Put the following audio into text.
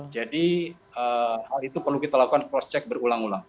jadi hal itu perlu kita lakukan cross check berulang ulang